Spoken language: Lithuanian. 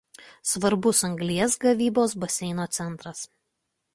Svarbus anglies gavybos baseino centras.